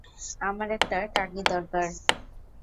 আমার একটা টার্কি দরকার।